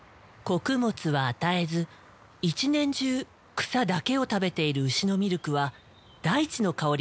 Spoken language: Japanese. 穀物は与えず１年中草だけを食べている牛のミルクは大地の香りがするそうだ。